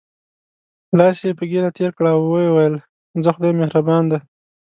لاس یې په ږیره تېر کړ او وویل: ځه خدای مهربان دی.